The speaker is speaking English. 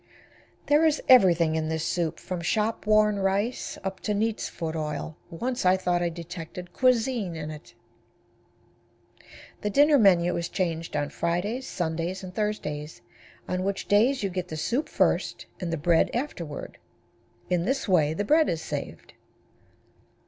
There is everything in this soup, from shop worn rice up to neat's foot oil. Once I thought I detected cuisine in it. The dinner menu is changed on Fridays, Sundays and Thursdays, on which days you get the soup first and the bread afterward. In this way the bread is saved.